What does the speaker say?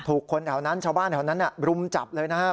คนแถวนั้นชาวบ้านแถวนั้นรุมจับเลยนะครับ